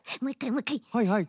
はいはい。